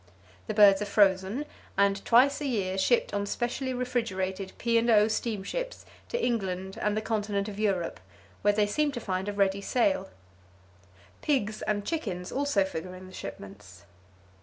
The birds are frozen, and twice a year shipped on specially refrigerated P. and O. steamships to England and the continent of Europe where they seem to find a ready sale. Pigs and chickens also figure in the shipments.